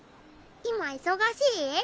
今忙しい？